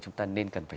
chúng ta nên cần phải